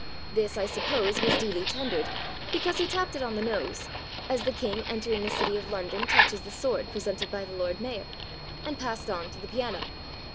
This, I suppose, was duly tendered, because he tapped it on the nose (as the King entering the City of London touches the sword presented by the Lord Mayor), and passed on to the piano.